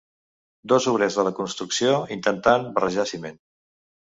Dos obrers de la construcció intentant barrejar ciment.